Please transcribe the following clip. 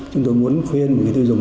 chúng tôi muốn khuyên người tiêu dùng